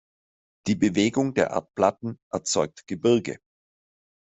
Die Bewegung der Erdplatten erzeugt Gebirge.